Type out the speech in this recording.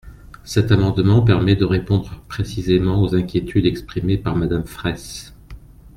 Cet amendement permet de répondre précisément aux inquiétudes exprimées par Madame Fraysse.